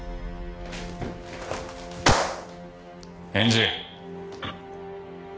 返事。